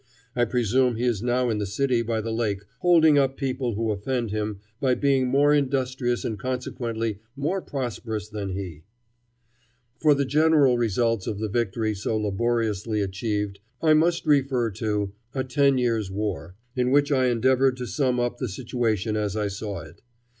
I presume he is now in the city by the lake holding up people who offend him by being more industrious and consequently more prosperous than he. For the general results of the victory so laboriously achieved I must refer to [Footnote: Now, "The Battle with the Slum."] "A Ten Years' War," in which I endeavored to sum up the situation as I saw it.